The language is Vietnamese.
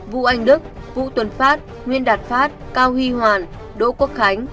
vũ anh đức vũ tuần phát nguyên đạt phát cao huy hoàn đỗ quốc khánh